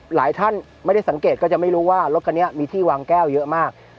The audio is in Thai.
หลายท่านไม่ได้สังเกตก็จะไม่รู้ว่ารถคันนี้มีที่วางแก้วเยอะมาก